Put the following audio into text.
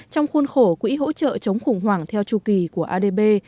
trong khuôn khổ quỹ hỗ trợ chống khủng hoảng theo chu kỳ của adb